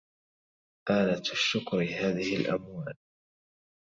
آلة الشكر هذه الأموال